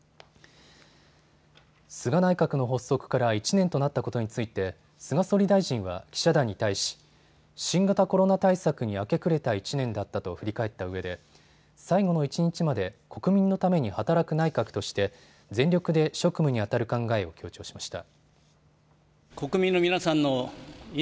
菅内閣の発足から１年となったことについて菅総理大臣は記者団に対し新型コロナ対策に明け暮れた１年だったと振り返ったうえで最後の一日まで国民のために働く内閣として全力で職務にあたる考えを強調しました。